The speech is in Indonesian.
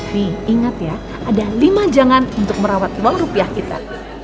nih ingat ya ada lima jangan untuk merawat uang rupiah kita